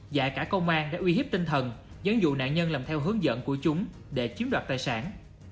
và cả công an đã uy hiếp tinh thần giấn dụ nạn nhân làm theo hướng dẫn của chúng để chiếm đoạt tài sản